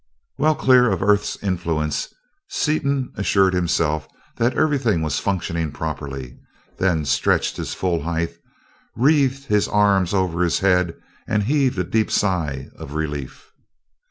Well clear of the Earth's influence, Seaton assured himself that everything was functioning properly, then stretched to his full height, wreathed his arms over his head, and heaved a deep sigh of relief.